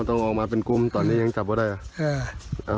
ต้องออกมาเป็นกลุ่มตอนนี้ยังจับไม่ได้อ่ะค่ะอ่า